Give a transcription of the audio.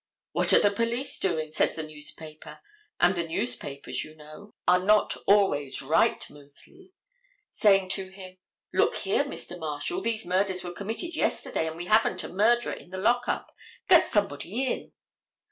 "What are the police doing?" says the newspaper, and the newspapers, you know, are not always right, mostly. Saying to him: "Look here, Mr. Marshal, these murders were committed yesterday and we haven't a murderer in the lockup. Get somebody in."